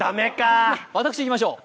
私いきましょう。